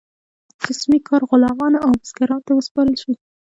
جسمي کار غلامانو او بزګرانو ته وسپارل شو.